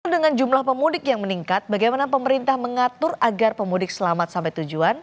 dengan jumlah pemudik yang meningkat bagaimana pemerintah mengatur agar pemudik selamat sampai tujuan